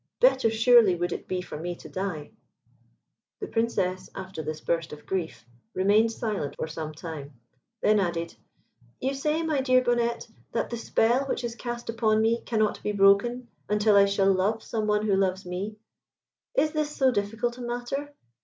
Better surely would it be for me to die." The Princess, after this burst of grief, remained silent for some time, then added, "You say, my dear Bonnette, that the spell which is cast upon me cannot be broken until I shall love some one who loves me. Is this so difficult a matter?